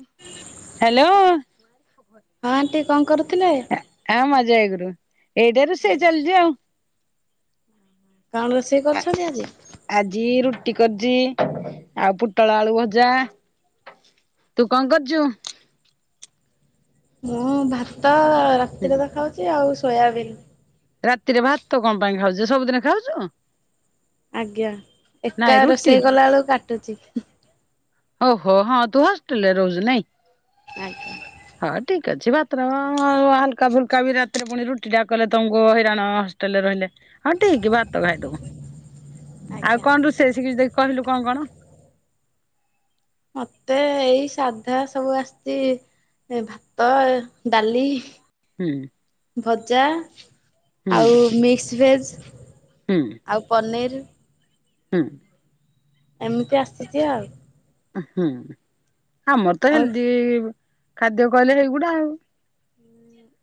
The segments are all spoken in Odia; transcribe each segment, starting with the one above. ଉଁ ହାଲୋ। ହଁ ଆଣ୍ଟି। କଣ କରୁଥିଲେ? ହଁ ମ ଜୟଗୁରୁ ଏଇଟାରୁ ସେ ଚାଲିଯାଅ। କଣ ରୋଷେଇ କରୁଛନ୍ତି ଆଜି? ଆଜି ରୁଟି କରିଛି ଆଉ ପୋଟଳ, ଆଳୁ ଭଜା। ତୁ କଣ କରୁଛୁ? ମୁଁ ଭାତ ରାତିରେ ତ ଖାଉଛି ଆଉ ସୋୟାବିନ୍। ରାତିରେ ଭାତ କଣ ପାଇଁ ଖାଉଚୁ ସବୁଦିନ ଖାଉଚୁ? ଆଜ୍ଞା ନାଇଁ ଏକା ରୁଟି ରୋଷେଇ କଲାବେଳକୁ କାଟୁଛି। ଓ ହୋ ହଁ ତୁ ହଷ୍ଟେଲ ରେ ରହୁଛୁ ନାଇଁ। ଆଜ୍ଞା। ହଁ ଠିକ୍ ଅଛି ଭାତ ର [unintelligible] ହାଲକା ଫୁଲକା ବି ରାତିରେ ପୁଣି ରୁଟିଟା କଲେ ତମକୁ ହଇରାଣ ଟେଲ ରେ ରହିଲେ ହଁ ଠିକ ଭାତ ଖାଇଦବ। ଆଉ ଆଜ୍ଞା କଣ ରୁଷେଇ ଶିଖିଚୁ ଦେଖି କହିଲୁ କଣ କଣ? ମତେ ଏଇ ସାଧା ସବୁ ଆସୁଛି। ଏ ଭାତ, ଡାଲି। ହୁଁ। ଭଜା ହୁଁ ଆଉ ମିକ୍ସ ଭେଜ। ହୁଁ। ଆଉ ପନିର୍। ହୁଁ। ଏମିତି ଆସିଛି ଆଉ। ଉଁ ହୁଁ ଆମର ତ ଆଉ ହେଲଦି। ଖାଦ୍ୟ କହିଲେ ଏଇଗୁଡା ଆଉ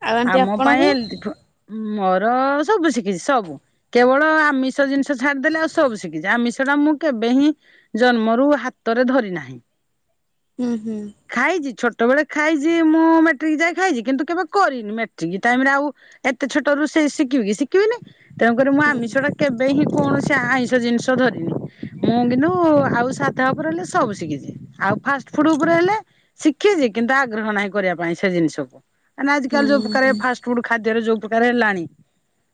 ଆଉ ଆଣ୍ଟି ଆମ ପାଇଁ ଆପଣଙ୍କୁ? ହେଲଦି ଫ ଉଁ ମୋର ସବୁ ଶିଖିଛି ସବୁ। କେବଳ ଆମିଷ ଜିନିଷ ଛାଡିଦେଲେ ଆଉ ସବୁ ଶିଖିଛି ଆମିଷ ଟା ମୁଁ କେବେ ହିଁ। ଜନ୍ମରୁ ହାତରେ ଧରି ନାହିଁ। ହୁଁ ହୁଁ। ଖାଇଛି ଛୋଟବେଳେ ଖାଇଛି ମୁଁ ମେଟ୍ରିକ ଯାଏଁ ଖାଇଛି କିନ୍ତୁ କେବେ କରିନି ମେଟ୍ରିକ ଟାଇମ ରେ ଆଉ। ଏତେ ଛୋଟ ରୁ ସେ ଶିଖିବି କି ଶିଖିବିନି ତେଣୁକରି ମୁଁ ହୁଁ ଆମିଷ କେବେ ହିଁ କୌଣସି ଆଇଁଷ ଜିନିଷ ଧରିନି ମୁଁ କିନ୍ତୁ ଆଉ ସାଧା। ଉପରେ ହେଲେ ସବୁ ଶିଖିଛି ଆଉ ଫାଷ୍ଟ ଫୁଡ ଉପରେ ହେଲେ। ଶିଖିଛି କିନ୍ତୁ ଆଗ୍ରହ ନାହିଁ କରିବା ପାଇଁ ସେ ଜିନିଷକୁ। ଏ ନା ଆଜିିକାଲି ଯୋଉ ହୁଁ ପ୍ରକାର ହୁଁ ଫାଷ୍ଟ ଫୁଡ ଖାଦ୍ୟରେ ଯୋଉ ପ୍ରକାର ହେଲାଣି।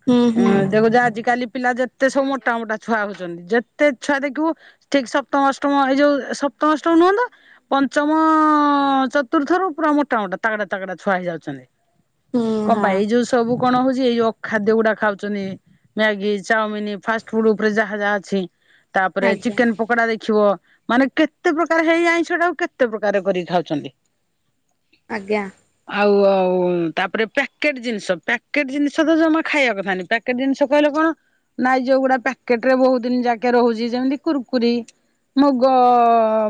ହୁଁ ହୁଁ ହଁ ଦେଖୁଛ ଆଜିିକାଲି ପିଲା ଯେ ତେ ସବୁ ମୋଟା ମୋଟା ଛୁଆ ହଉଛନ୍ତି ଯେତେ ଛୁଆ ଦେଖିବୁ ଠିକ ସପ୍ତମ ଅ ଟମ ଏ ଯୋଉ ସପ୍ତମ ଅଷ୍ଟମ ନୁହ ତ। ପଞ୍ଚମ, ଚତୁର୍ଥ ରୁ ପୁରା ମୋଟା ମୋଟା ତାଗଡା ତାଗଡା ଛୁଆ ହେଇଯାଉଛନ୍ତି। ହୁଁ ଅଁ ବା ହଁ ଏଇ ଯୋଉ ସବୁ କଣ ହଉଚି ଏଇ ଯୋଉ ଅ ଖାଦ୍ୟ ଗୁଡା ଖାଉଚନ୍ତି। ମ୍ୟାଗି ଚାଉମିନ୍ ଫାଷ୍ଟ ଫୁଡ ଉପରେ ଯାହା ଯାହା ଅଛି ତାପରେ ଆଜ୍ଞା ଚିକେନ୍ ପକୋଡା ଦେଖିବ। ମାନେ କେତେ ପ୍ରକାର ହେଇଆଇଁଷଟାକୁ କେତେ ପ୍ରକାର କରିକି ଖାଉଚନ୍ତି। ଆଜ୍ଞା। ଆଉ ଆଉ ତାପରେ ପ୍ୟାକେଟ୍ ଜିନିଷ ପ୍ୟାକେଟ୍ ଜିନିଷ ତ ଜମା ଖାଇଆ କଥାନି ପ୍ୟାକ୍ ପିକେଟ୍ ଜିନିଷ କହିଲେ କଣ ନାଇଁ ଯୋଉ ଗୁଡା ପ୍ୟାକେଟେ ରେ ବହୁ ଦିନି ଯାକେ ରହୁଚି ଯେମିତି କୁୁର୍ କୁରି ମୁଗ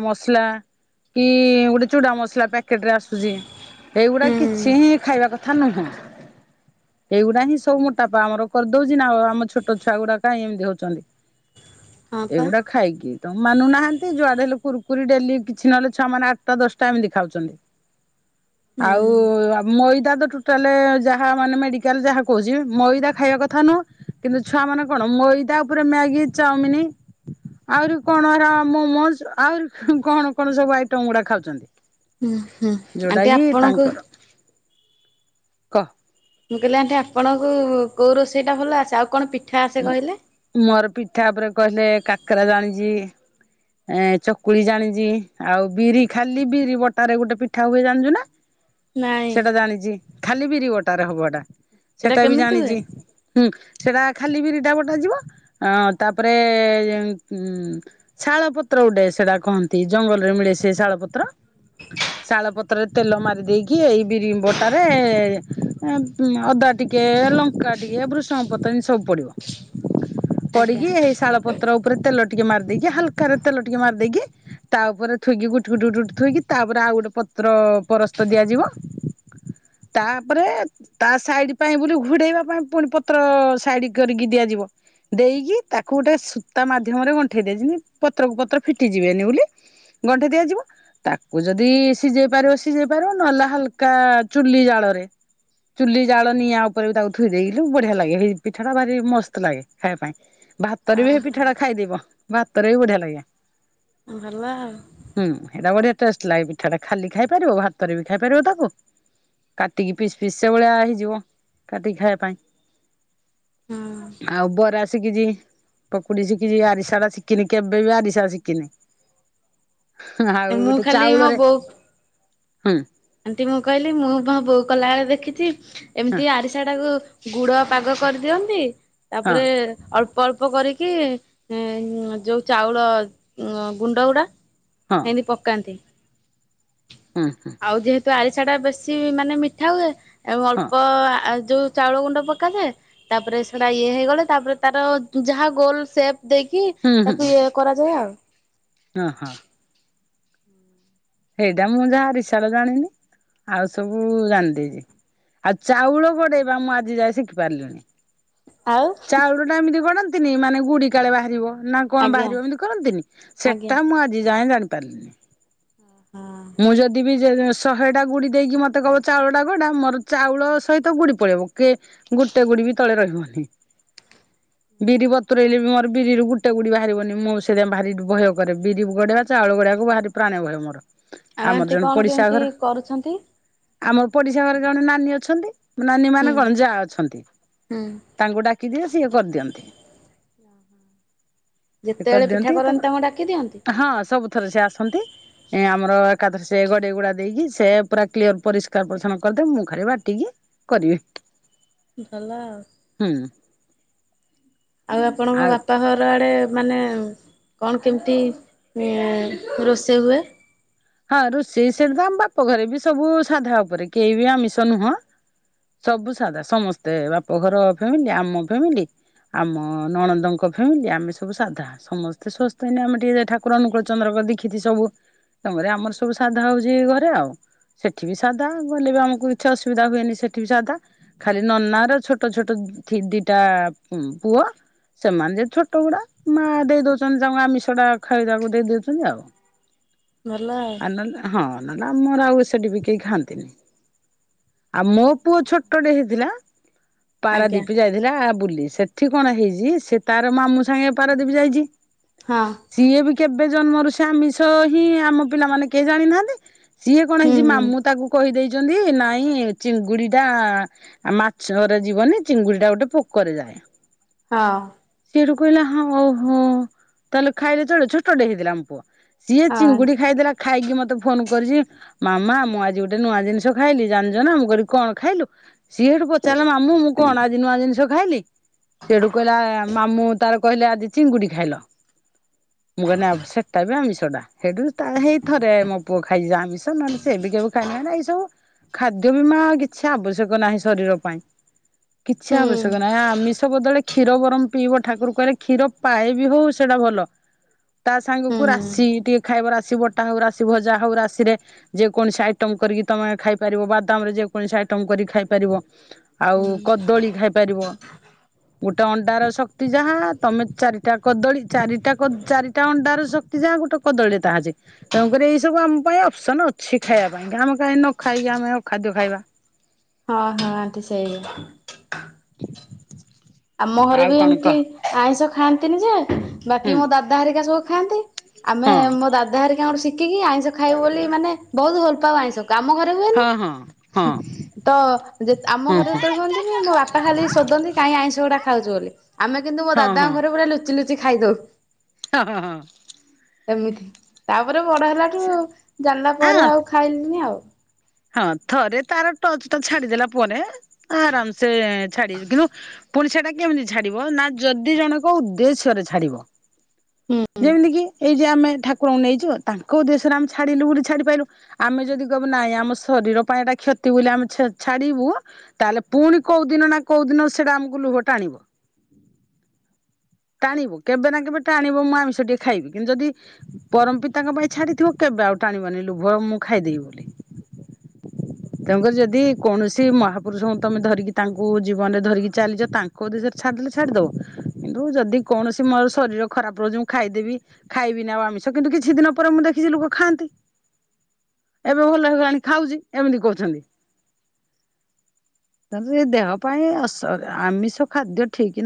ମସଲା କି ଗୋଟେ ଚୁଡା ମସଲା ପ୍ୟା ପ୍ୟାକେଟେ ରେ ଆସୁଚି ହେଇଗୁଡା ହୁଁ କିଛି ହିଁ ଖାଇବା କଥା ନୁହଁ। ଏଇଗୁଡା ହିଁ ସବୁ ମୋଟା ପା ଆମର କରିଦଉଚି ନା ଆଉ ଆମ ଛୋଟ ଛୁଆ ଗୁଡା କ ଏମିତି ହଉଚନ୍ତି। ହଁ ପା ଏଗୁଡା ଖାଇକି। ତେନ୍ ମାନୁନାହାନ୍ତି ଯୁଆଡେ ହେଲେ କୁରୁକୁରି ଡେଲି କିଛି ନହେଲେ ଛୁଆ ମାନେ ଆଠଟା ଦଶଟା ଏମିତି ଖାଉଚନ୍ତି। ହୁଁ। ଆଉ ଆପ୍ ମଇଦା ତ ଟୋଟାଲେ ଯାହା ମାନେ ମେଡିକାଲ ଯାହା କହୁଚି ମଇଦା ଖାଇଆ କଥା ନୁହଁ। କିନ୍ତୁ ଛୁଆ ମାନେ କଣ ମଇଦା ଉପରେ ମ୍ୟାଗି ଚାଉମିନି ଆହୁରି କଣ ମୋମୋସ୍ ଆହୁରି କଣ କଣ ସବୁ ଆଇଟମ୍ ଗୁଡା ଖାଉଚନ୍ତି। ହୁଁ ହୁଁ ଯୋଉଟା ଆଣ୍ଟି କି ଆପଣଙ୍କୁ ତାଙ୍କର କହ ମୁଁ କଇଲି ଆଣ୍ଟି ଆପଣଙ୍କୁ କୋଉ ରୋଷେଇଟା ଭଲ ଆସେ ଆଉ କଣ ପିଠା ଆସେ କହିଲେ। ମୋର ପିଠା ଉପରେ କହିଲେ କାକେରା ଜାଣିଚି। ଆ ଚକୁଳି ଜାଣିଚି ଆଉ ବିରି ଖାଲି ବିରି ବଟାରେ ଗୋଟେ ପିଠା ହୁଏ ଜାଣିଚୁ ନା? ନାଇଁ ସେଟା ଜାଣିଚି ଖାଲି ବିରି ବଟାରେ ହବ ଏଟା ସେଇଟା ସେଟା ବି କେମିତି ହୁଏ? ଜାଣିଚି। ହୁଁ ସେଟା ଖାଲି ବିରିଟା ବଟାଯିବ ଆ ତାପରେ ଉଁ କୁ ଶାଳ ପତ୍ର ଗୋଡେ ସେଟା କହନ୍ତି ଜଙ୍ଗଲରେ ମିଳେ ସେ ଶାଳ ପତ୍ର। ଶାଳ ପତ୍ରରେ ତେଲ ମାରି ଦେଇକି ଏଇ ବିରି ବଟାରେ ଅଦା ଟିକ୍ ଟିକେ ଲଙ୍କା ଟିକେ ବୃଷଙ୍ଗ ପତ୍ର ଏମିତି ସବୁ ପଡିବ ଆଜ୍ଞା ପଡ଼ିକି ଏହି ଶାଳ ପତ୍ର ଉପରେ ତେଲ ଟିକେ ମରିା ଦେଇକି ହଲ୍କାରେ ତେଲ ଟିକେ ମାରି ଦେଇକି ତା ଉପରେ ଥୋଇକି ଗୁଟ୍ ଗୁଟ୍ ଗୁଟ୍ ଥୋଇକି ତାପରେ ଆଉ ଗୋଟେ ପତ୍ର ପରସ୍ତ ଦିଆଯିବ। ତାପରେ ତା ସାଇଡ୍ ପାଇଁ ବୁଲି ଘୋଡେଇବା ପାଇଁ ପୁଣି ପତ୍ର ଫାଡି କରିକି ଦିଆଯିବ। ଦେଇକି ତାକୁ ଗୋଟେ ସୂତା ମାଧ୍ୟମରେ ଗଣ୍ଠେଇ ଦେଇ ଯେମିତ୍ ପତ୍ରକୁ ପତ୍ର ଫିଟିଯିବେନି ବୋଲି ଗଣ୍ଠେଇ ଦିଆଯିବ। ତାକୁ ଯଦି ସିଝେଇ ପାରିବ ସିଝେଇ ପାରିବ ନହେଲା ହାଲ୍କା ଚୁଲି ଜାଳରେ ଚୁଲି ଜାଳ ନିଆ ଉପରେ ତାକୁ ଥୋଇ ଦେଲୁ ବଢିଆ ଲାଗେ ହେ ପିଠା ଟା ଭାରି ମସ୍ତ ଲାଗେ ଖାଇବା ପାଇଁ ଭାତରେ ବି ପିଠା ଟା ଓହୋ ଖାଇଦବ ଭାତରେ ବି ବଢିଆ ଲାଗେ। ଭଲ ଆଉ। ହୁଁ ଏଇଟା ବଢିଆ ଟେଷ୍ଟ ଲାଗେ ପିଠାଟା ଖାଲି ଖାଇ ପାରିବ ଭାତରେ ବି ଖାଇ ପାରିବ ତାକୁ। କାଟିକି ପିସ୍ ପିସ୍ ସେଭଳିଆ ହେଇଯିବ କାଟିକି ଖାଇଆ ପାଇଁ। ଆଉ ବରା ଶିଖିଚି ପକୁଡି ଶିଖିଚି ଆରିଶା ଟା ଶିଖିନି କେବେ ବି ଆରିସା ଶିଖିନି। [unintelligible] ହଁ ଆଉ ମୁଁ ଗୋଟେ ଖାଲି ମୋ ଚାଉଳରେ ବୋଉ ହୁଁ। ଆଣ୍ଟି ମୁଁ କଇଲି ମୁଁ ମୋ ବୋଉ କଲାବେଳେ ଦେଖିଚି ହଁ ଏମିତି ଆରିସା ଟାକୁ ଗୁଡ ପାଗ କରିଦିଅନ୍ତି ହଁ ତାପରେ ଅଳ୍ପ ଅଳ୍ପ କରିକି ଉଁ ଯୋଉ ଚାଉଳ ଉଁ ଗୁଣ୍ଡଗୁଡା ହଁ। ପକାନ୍ତି। ହୁଁ ହୁଁ। ଆଉ ଯେହେତୁ ଆରିସା ଟା ବେଶୀ ମାନେ ମିଠା ହୁଏ ଆଉ ହଁ ଅଳ୍ପ ଆ ଯୋଉ ଚାଉଳ ଗୁଣ୍ଡ ପକାଯାଏ। ତାପରେ ସେଟା ଇଏ ହେଇଗଲେ ତାପରେ ତାର ଯାହା ଗୋଲ ସେପ ଦେଇକି ତାକୁ ଇଏ କରାଯାଏ ଆଉ। ଅଁ ହଁ ସେଇଟା ମୁଁ ଯାହା ରିଶାର ଜାଣିନି ଆଉ ସବୁ ଜାଣିଦେଇଚି। ଆଉ ଚାଉଳ ଗଡେଇବା ମୁଁ ଆଜି ଯାଏ ଶିଖି ପାରଲିଣିି। ଆଉ ଚାଉଳ ଟା ଏମିତି ଗଡ଼ନ୍ତିନି ମାନେ ଗୁଡିକାଳେ ବାହାରିବ। ନା କଣ ଆଜ୍ଞା ବାହାରିବ ଏମିତି କରନ୍ତିନି ଆଜ୍ଞା। ସେଟା ମୁଁ ଆଜି ଯାଏ ଜାଣିପାରିଲିନି। ଓ ହଁ। ମୁଁ ଯଦି ବି ଜେ ଶହେ ଟା ଗୁଡି ଦେଇକି ମତେ କିଇବ ଚାଉଳ ଟା ଗଡ଼ା ମର ଚାଉଳ ସହିତ ଗୁଡି ପଳେଇବ। କେ ଗୋଟେ ଗୁଡି ବି ତଳେ ରହିବନି। ବିରି ବତୁରଇଲେ ବି ମୋର ବିରିରୁ ଗୋଟେ ଗୁଡି ବାହାରିବନି ମୁଁ ସେଥିପାଇଁ ଭାରି ଭୟ କରେ ବିରି ଗଢା ଚାଉଳ ଗଡାକୁ ବାହାରି ପ୍ରାଣ ଭୟ ମୋର। ଆଉ ଆମର ଆଣ୍ଟି କଣ କେମିତି କରୁଛନ୍ତି? ଆମ ପଡିଶା ଘରେ କଣେ ନାନୀ ଅଛନ୍ତି। ନାନୀ ହୁଁ ମାନେ କଣ ଯା ଅଛନ୍ତି। ହୁଁ ତାଙ୍କୁ ଡାକିଦିଏ ସିଏ କରିଦିଅନ୍ତି। ହୁଁ। ସେ କଦିଅନ୍ତି ଡାକି ଦିଅନ୍ତି ତଵା। ହଁ ସବୁଥର ସିଏ ଆସନ୍ତି। ଆମର ଏକାଦଶୀ ସେ ଗଡେଇ ଗୁଡା ଦେଇକି ସେ ପୁରା କ୍ଲିୟର ପରିଷ୍କାର ପରିଚ୍ଛନ କରିଦେଵେ ମୁଁ ଖାଲି ବାଟିକି କରିବେ। ହଲା ଆଉ। ତେଇଁ। ଆଉ ଆପଣଙ୍କ ଆଉ ବାପା ଘର ଆଡେ ମାନେ କଣ କେମତି ରୋଷେଇ ହୁଏ? ହଁ ରୋଷେଇ ସେଠଧମ୍ବା ବାପ ଘରେ ବି ସବୁ ସାଧା ଉପରେ କେହି ବି ଆମିଷ ନୁହଁ। ସବୁ ସାଧା। ସମସ୍ତେ ବାପଘର ଫ୍ୟାମିଲି ଆମ ଫ୍ୟାମିଲି। ଆମ ନଣନ୍ଦଙ୍କ ଫ୍ୟାମିଲି, ଆମେ ସବୁ ସାଧା। ସମସ୍ତେ ସ୍ୱାସ୍ଥ୍ୟ ହୀନ। ଆମେ ଟିକେ ଠାକୁର ଅନୁକୁଳ ଚନ୍ଦ୍ରଙ୍କଦିକ୍ଷୀତି ସବୁ। ତମରେ ଆମର ସବୁ ସାଧା ହୋଉଚି ଘରେ ଆଉ। ସେଠି ବି ସାଧା ଗଲେ ବି ଆମକୁ କିଛି ଅସୁବିଧା ହୁଏନି, ସେଠି ବି ସାଧା। ଖାଲି ନନା ର ଛୋଟ ଛୋଟ ଧି ଦିଟା ପୁଅ। ସେମାନେ ଯେ ଛୋଟ ଗୁଡ଼ା ମାଆ ଦେଇ ଦୋଉଚନ୍ତି ତାଙ୍କୁ ଆମିଷଟା ଖାଇବାକୁ ଦେଇ ଦୋଉଚନ୍ତି ଆଉ। ଭଲ ଆଉ। ଆଲେ ହଁ ନହେଲେ ଆମର ଆଉ ସେଠି ବି କେହି ଖାଆନ୍ତିନି। ଆଉ ମୋ ପୁଅ ଛୋଟଟେ ହେଇଥିଲା। ଆଜ୍ଞା ପାରାଦ୍ୱୀପ ଯାଇ ଥିଲା ବୁଲି। ସେଠି କଣ ହେଇଜି ସେ ତାର ମାମୁଁ ସାଙ୍ଗେ ପାରାଦୀପ ଯାଇଚି। ହଁ ସିଏ ବି କେବେ ଜନ୍ମରୁ ସେ ଆମିଷ ହିଁ ଆମ ପିଲାମାନେ କେହି ଜାଣିନାହାନ୍ତି। ସିଏ କଣ ହେଇଚି ହୁଁ। ମାମୁଁ ତାକୁ କହିଦେଇଚନ୍ତି ନାଇଁ ଚିଙ୍ଗୁଡି ଟା ଆଉ ମାଛ ରେ ଯିବନି ଚିଙ୍ଗୁଡି ଟା ଗୋଟେ ପୋକରେ ଯାଏ। ହଁ। ସେଏଠୁ କହିଲା ହଁ ଓହୋ ତାହେଲେ ଖାଇଲେ ଚଳିବ ଛୋଟଟେ ହେଇଥିଲା ଆମ ପୁଅ। ସିଏ ହଁ। ଚିଙ୍ଗୁଡି ଖାଇଦେଲା ଖାଇକି ମତେ ଫୋନ କରିଚି। ମାମା ମୁଁ ଆଜି ଗୋଟେ ନୂଆ ଜିନିଷ ଖାଇଲି ଜାଣିଜ ନା। ମୁଁ କଇଲି କଣ ଖାଇଲୁ? ସିଏ ହେଠୁ ପଚାରିଲା ମାମୁଁ ମୁଁ କଣ ଆଜି ନୂଆ ଜିନଷ ଖାଇଲି? ସିଏ ହେଠୁ କହିଲା ମାମୁଁ ତାର କହିଲେ ଆଜି ଚିଙ୍ଗୁଡି ଖାଇଲ। ମୁଁ କହିଲି ନା ସେଟା ବି ଆମିଷ ଟା। ହେଠୁ ତା ହେଇ ଥରେ ମୋ ପୁଅ ଖାଇଚି ଆମିଷ ନହେଲେ ସେ ବି କେବେ ଖାଇନି ଏଇ ସବୁ ଖାଦ୍ୟ ବି ମା କିଛି ଆବଶ୍ୟକ ନାହିଁ ଶରୀର ପାଇଁ। କିଛି ହୁଁ ଆବଶ୍ୟକ ନାହିଁ ଆମିଷ ବଦଳେ କ୍ଷୀ କ୍ଷୀର ବରମ ପିଇବ ଠାକୁ [unintelligible] କହିଲେ କ୍ଷୀର ପାଏ ବି ହଉ ସେଇଟା ଭଲ। ତା ସାଙ୍ଗକୁ ହୁଁ। ରାଶି ଟିକେ ଖାଇବ ରାଶି ବଟା ହଉ ରାଶି ଭଜା ହଉ ରାଶିରେ ଯେକୌଣେସି ଆଇଟମ କରିକି ତମେ ଖାଇପାରିବ ବାଦାମ ରେ ଯେକୌଣେସି ଆଇଟମ କରିକି ଖାଇପାରିବ। ଆଉ କଦଳୀ ଖାଇପାରିବ। ଗୋଟେ ଅଣ୍ଡାର ଶକ୍ତି ଯାହା ତମେ ଚାରିଟା କଦଳୀ ଚାରିଟା କ ଚାରିଟା ଅଣ୍ଡାର ଶକ୍ କ୍ତି ଯାହା ଗୋଟେ କଦଳୀ ରେ ତାହା ଯେ ତେଣୁ କରି ଏଇ ସବୁ ଆମ ପାଇଁ ଅପସନ୍ ଅଛି ଖାଇବା ପାଇଁ ଆମେ କାହିଁ ନ ଖାଇକି ଆମେ ଆଉ ଖାଦ୍ୟ ଖାଇବା। ହଁ ହଁ ଆଣ୍ଟି ସେଇଆ। [unintelligible] ଆମ ଘରେ ଆଉ ବି କଣ ଏମତି କହ ଆଇଁଷ ଖାଆନ୍ତିନି ଯେ ହୁଁ ବାକି ମୋ ଦାଦା ହେରିକା ସବୁ ଖାଆନ୍ତି। ଆମେ ହଁ ମୋ ଦାଦା ହାରିକାଙ୍କଠୁ ଶିଖିକି ଆଇଁଷ ଖାଇବୁ ବୋଲି ମାନେ ବହୁତ ଭଲ ପାଉ ଆଇଁଷ କାମ ଘରେ ହୁଏନି। ହଁ ହଁ ହଁ ତ ଯେ ଆମ ହଁ ଘରେ ହଁ ଯେତେବେଳେ ହୁହନ୍ତିନି ମୋ ବାପା ଖାଲି ଶୋଧନ୍ତି କାଇଁ ଆଇଁଷ‌- ଖାଉଚୁ ବୋଲି ଆମେ କିନ୍ତୁ ମୋ ହଁ ହଁ। ଦାଦାଙ୍କ ଘରେ ପୁରା ଲୁଚି ଲୁଚି ଖାଇଦଉ। ହଁ ହଁ ହଁ। ଏମିତି। ତାପରେ ବଡ ହେଲାଠୁ ଜାଣିଲା ଆଁ ପରେ ଆଉ ଖାଇଲିନି ଆଉ। ହଁ ଥରେ ତାର ଟଚ୍ ଟା ଛାଡିଦେଲା ପରେ ଆରାମ ସେ ଛାଡ଼ି କିନ୍ତୁ ପୁଣି ସେଟା କେମିତି ଛାଡିବ ନା ଯଦି ଜଣଙ୍କ ଉଦ୍ଦେଶ୍ୟ ରେ ଛାଡିବ। ହୁଁ ଯେମତି କିି ଏଇ ଯେ ଆମେ ଠାକ୍‌ [unintelligible] ନେଇଚୁ ତାଙ୍କ ଉଦେଶ୍ୟରେ ଆମେ ଛାଡିଲୁ ବୋଲି ଛାଡି ପାଇଲୁ ଆମେ ଯଦି କହିବୁ ନାଇଁ ଆମ ଶରୀର ପାଇଁ ଏଟା କ୍ଷତି ବୋଲି ଆମେ ଛା ଛାଡିବୁ ତାହେଲେ ପୁଣି କୋଉ ଦିନ ନା କୋଉ ଦିନ ସେଇଟା ଆମକୁ ଲୁଭ ଟାଣିବ। ଟାଣିବ କେବେ ନା କେବେ ଟାଣିବ ମୁଁ ଆମିଷ ଟିକେ ଖାଇବି କିନ୍ତୁ ଯଦି ପରମ ପିତାଙ୍କ ପାଇଁ ଛାଡିଥିବ କେବେ ଆଉ ଟାଣିବନି ଲୁଭ ମୁଁ ଖାଇଦେବି ବୋଲି। ତେଣୁକରି ଯଦି କୌଣସି ମହାପୁରୁଷଙ୍କୁ ତମେ ଧରିକି ତାଙ୍କୁ ଜୀବନରେ ଧରିକି ଚାଲିଚ ତାଙ୍କ୍‌ କଉ ଉଦେଶ୍ୟରେ ଛାଡ଼ିଦେଲେ ଛାଡ଼ିଦବ କିନ୍ତୁ ଯଦି କୌଣସି ମୋର ଶରୀର ଖରାପ ରହୁଚି ମୁଁ ଖାଇଦେବି ଖାଇବି ନା ଆଉ ଆମିଷ କିନ୍ତୁ କିଛି ଦିନ ପରେ ମୁଁ ଦେଖିଛି ଲୋକ ଖାଆନ୍ତି ଏବେ ଭଲ ହେଇଗଲାଣିି। ଖାଉଛି ଏମିତି କହୁଛନ୍ତି। [unintelligible] ଦେହ ପାଇଁ [unintelligible] ଆମିଷ ଖାଦ୍ୟ ଠିକ ନୁ